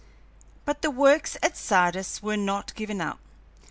But the Works at Sardis were not given up.